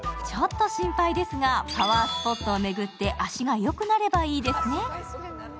ちょっと心配ですが、パワースポットを巡って足が良くなればいいですね。